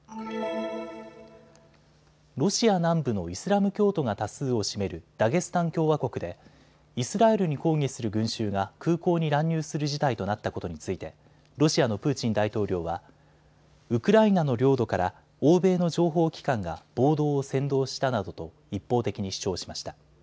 ロシア南部のイスラム教徒が多数を占めるダゲスタン共和国でイスラエルに抗議する群衆が空港に乱入する事態となったことについてロシアのプーチン大統領はウクライナの領土から欧米の情報機関が暴動を扇動したなどと一方的に主張しました。